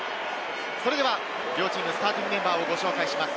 それでは両チームスターティングメンバーをご紹介します。